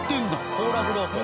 コーラフロートや。